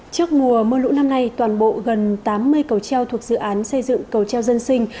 trước mùa mưa lũ năm nay toàn bộ gần tám mươi cầu treo thuộc dự án xây dựng cầu treo dân sinh